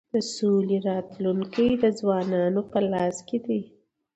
د سولی راتلونکی د ځوانانو په لاس کي دی.